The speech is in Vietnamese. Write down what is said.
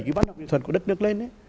cái văn học nghệ thuật của đất nước lên